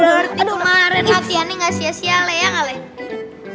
berarti kemarin latihannya gak sia sial ya kali